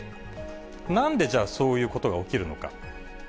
なんでじゃあ、そういうことが起きるのか。